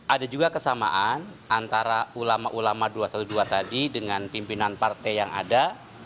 ada juga kesamaan antara ulama ulama dua ratus dua belas tadi dengan pimpinan partai yang ada